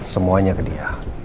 semuanya ke dia